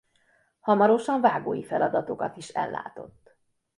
Hamarosan vágói feladatokat is ellátott.